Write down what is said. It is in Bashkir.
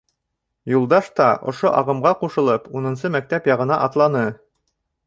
Юлдаш та, ошо ағымға ҡушылып, унынсы мәктәп яғына атланы.